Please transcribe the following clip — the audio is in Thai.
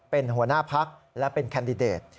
เป็นหัวหน้าพักและเป็นแคนดิเดต